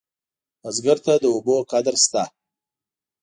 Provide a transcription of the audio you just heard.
بزګر ته د اوبو قدر شته